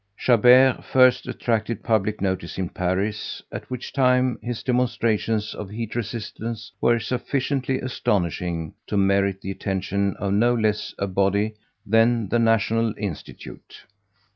Chabert first attracted public notice in Paris, at which time his demonstrations of heat resistance were sufficiently astonishing to merit the attention of no less a body than the National Institute.